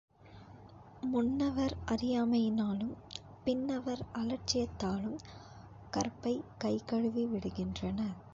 முன்னவர் அறியாமையினாலும், பின்னவர் அலட்சியத்தாலும் கற்பைக் கைகழுவி விடுகின்றனர்.